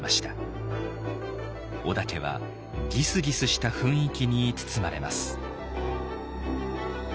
織田家はギスギスした雰囲気に包まれます。